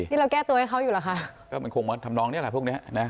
เราแก้ตัวให้เขาอยู่เหรอคะก็มันคงมาทำนองเนี้ยแหละพวกเนี้ยนะ